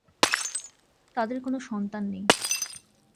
তাদের কোন সন্তান নেই।